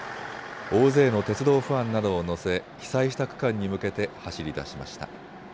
大勢の鉄道ファンなどを乗せ被災した区間に向けて走り出しました。